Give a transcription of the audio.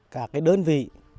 cả cái đơn vị